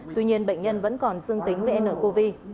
tuy nhiên bệnh nhân vẫn còn dương tính với ncov